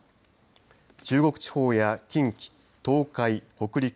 中国地方や近畿東海、北陸